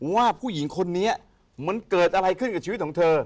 ว่าผู้หญิงคนนี้มันเกิดอะไรขึ้นกับชีวิตของเธอ